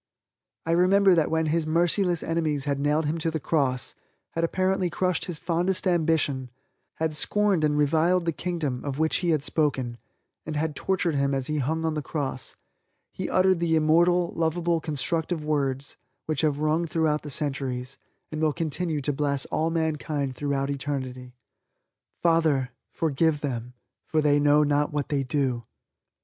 I remember that when His merciless enemies had nailed Him to the cross, had apparently crushed His fondest ambition, had scorned and reviled the Kingdom of which He had spoken, and had tortured Him as He hung on the cross, He uttered the immortal, lovable, constructive words which have rung throughout the centuries, and will continue to bless all mankind throughout eternity: "Father, forgive them, for they know not what they do."